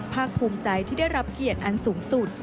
ภาคภูมิใจที่ได้รับเกียรติอันสูงสุด